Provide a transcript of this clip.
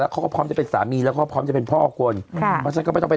ติ่คเซศนาภรม์เป็นทางเป็นผู้จัดและนักแสดงด้วย